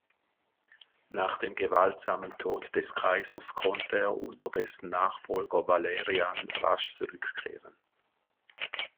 Nach dem gewaltsamen Tod des Kaisers konnte er unter dessen Nachfolger Valerian rasch zurückkehren.